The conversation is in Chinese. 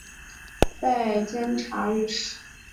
拜监察御史。